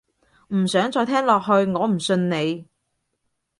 唔想再聽落去，我唔信你